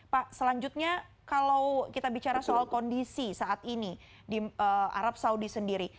pak selanjutnya kalau kita bicara soal kondisi saat ini di arab saudi sendiri